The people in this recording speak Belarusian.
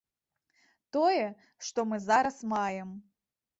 Тое, што мы зараз маем.